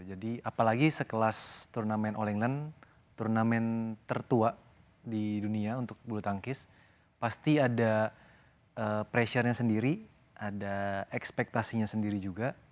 jadi apalagi sekelas turnamen all england turnamen tertua di dunia untuk bulu tangkis pasti ada pressure nya sendiri ada ekspektasinya sendiri juga